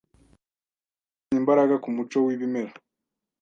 Uwazanye imbaraga kumucyo wibimera